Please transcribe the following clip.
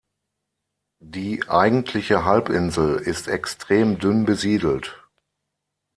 Die eigentliche Halbinsel ist extrem dünn besiedelt.